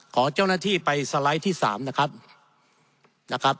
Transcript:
ขอเจ้าหน้าที่ไปสไลด์ที่๓นะครับนะครับ